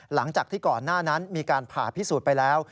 หลังจากที่ก่อนหน้านั้นมีการผ่าพิสูจน์ไปแล้ว